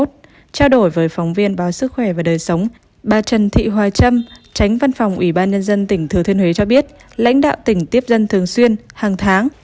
trao đổi với phóng viên báo sức khỏe và đời sống bà trần thị hòa trâm tránh văn phòng ủy ban nhân dân tỉnh thừa thiên huế cho biết lãnh đạo tỉnh tiếp dân thường xuyên hàng tháng